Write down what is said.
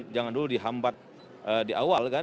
jangan dulu dihambat di awal kan